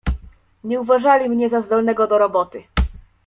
"Nie uważali mnie za zdolnego do roboty."